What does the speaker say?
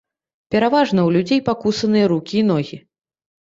Пераважна ў людзей пакусаныя рукі і ногі.